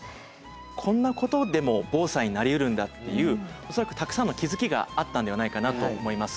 こんなことでも防災になりうるんだっていう恐らくたくさんの気づきがあったんではないかなと思います。